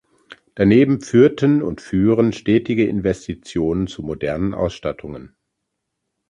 Daneben führten und führen stetige Investitionen zu modernen Ausstattungen.